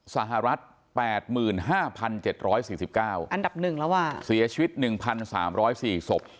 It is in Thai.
สหรัฐ๘๕๗๔๙อันดับ๑แล้วเสียชีวิต๑๓๐๔ศพ